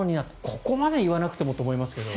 ここまで言わなくてもって思いますけど。